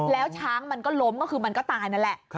แล้วช้างมันก็ล้มก็คือมันก็ตายนั่นแหละ